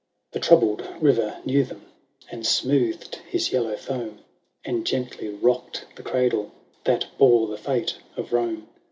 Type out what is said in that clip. The troubled river knew them, And smoothed his yellow foam, And gently rocked the cradle That bore the fate of Rome.